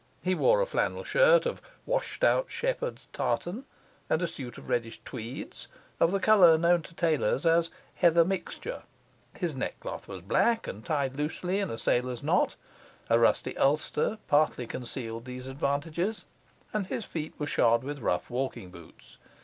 He wore a flannel shirt of washed out shepherd's tartan, and a suit of reddish tweeds, of the colour known to tailors as 'heather mixture'; his neckcloth was black, and tied loosely in a sailor's knot; a rusty ulster partly concealed these advantages; and his feet were shod with rough walking boots.